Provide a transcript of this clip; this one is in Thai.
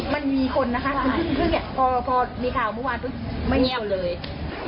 มันมีคนนะคะพอมีข่าวเมื่อวานไม่มีคนเลย